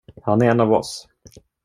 Han är en av oss.